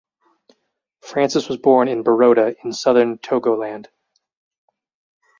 Francis was born in Baroda in Southern Togoland.